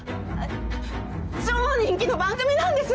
超人気の番組なんです！